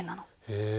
へえ。